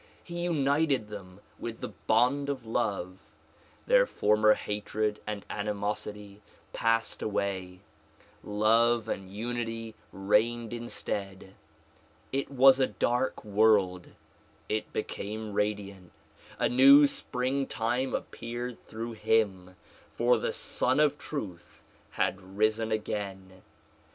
He united them wath the bond of love; their former hatred and animosity passed away ; love and unity reigned instead. It was a dark world ; it became radiant. A new spring time appeared through him, for the Sun of Truth had risen again.